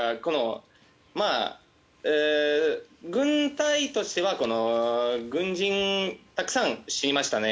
軍隊としては軍人たくさん死にましたね